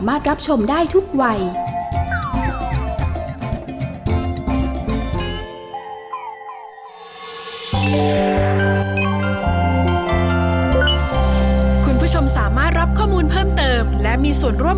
คุณล่ะโหลดกันหรือยัง